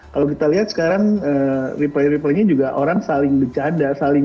kalau kita lihat sekarang replay replay nya juga orang saling bercanda